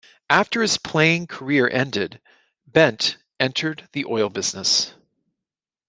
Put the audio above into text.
After his playing career ended, Bent entered the oil business.